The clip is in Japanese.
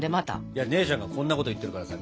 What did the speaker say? いや姉ちゃんがこんなこと言ってるからさ。